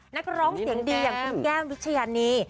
นักร้องเสียงดีอย่างคุณแก้มวิชญานี